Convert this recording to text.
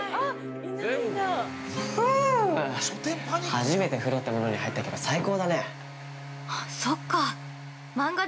初めて風呂ってものに入ったけど最高だね。